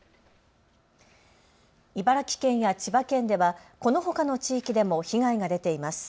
茨城県や千葉県ではこのほかの地域でも被害が出ています。